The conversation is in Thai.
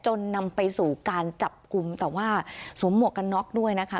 นำไปสู่การจับกลุ่มแต่ว่าสวมหมวกกันน็อกด้วยนะคะ